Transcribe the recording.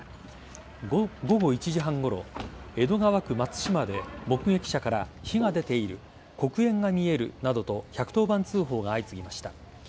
午後１時半ごろ江戸川区松島で目撃者から火が出ている黒煙が見えるなどと１１０番通報が相次ぎました。